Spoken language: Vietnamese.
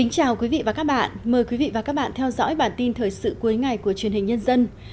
chào mừng quý vị đến với bản tin thời sự cuối ngày của truyền hình nhân dân